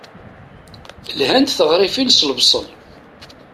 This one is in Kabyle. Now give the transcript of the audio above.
Lhant teɣrifin s lebṣel.